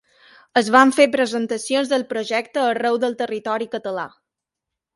Es van fer presentacions del projecte arreu del territori català.